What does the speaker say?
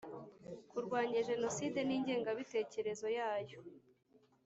Kurwanya Jenoside n ingengabitekerezo yayo